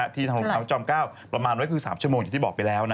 ที่ทางโรงพยาบาลพระจอม๙ประมาณ๑๐๓ชั่วโมงอย่างที่บอกไปแล้ว